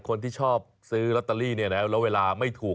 คนที่ชอบซื้อลอตเตอรี่เนี่ยนะแล้วเวลาไม่ถูก